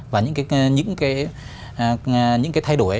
và những cái thay đổi